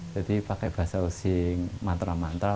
jadi pakai bahasa osing mantra mantra